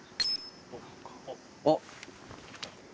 あっ！